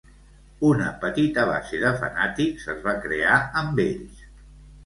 Una petita base de fanàtics es va crear amb ells.